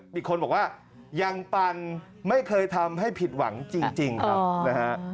มีคนบอกว่ายังปั่นไม่เคยทำให้ผิดหวังจริงครับนะฮะ